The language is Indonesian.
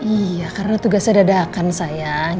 iya karena tugasnya dadakan sayang